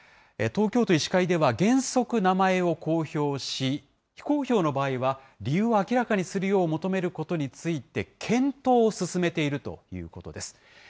東京都医師会では、原則名前を公表し、非公表の場合は理由を明らかにするよう求めることについて検討を進めているということです。